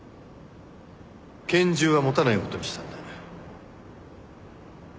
拳銃は持たない事にしたんで。